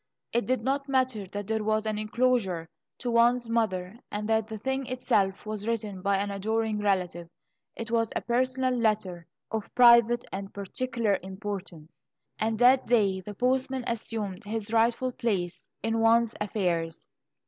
It did not matter that there was an inclosure to one's mother, and that the thing itself was written by an adoring relative; it was a personal letter, of private and particular importance, and that day the postman assumed his rightful place in one's affairs.